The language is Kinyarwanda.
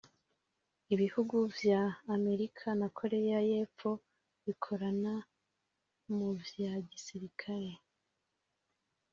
Ibihugu vya Amerika na Korea Yepfo bikorana mu vya gisirikare